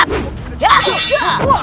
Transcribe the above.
tidak ada apa apa